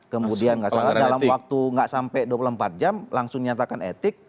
kemudian gak salah dalam waktu gak sampai dua puluh empat jam langsung dinyatakan etik